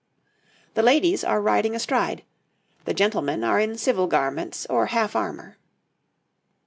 The ladies are riding astride, the gentlemen are in civil garments or half armour.